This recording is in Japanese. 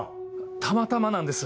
たまたまなんです。